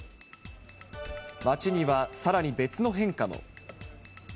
街にはさらに別の変化も。